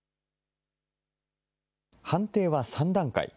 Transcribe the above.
判定は３段階。